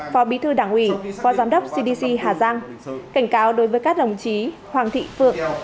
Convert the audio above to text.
phó bí thư đảng ủy phó giám đốc cdc hà giang cảnh cáo đối với các đồng chí hoàng thị phượng